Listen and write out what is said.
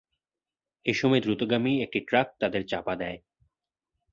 এ সময় দ্রুতগামী একটি ট্রাক তাঁদের চাপা দেয়।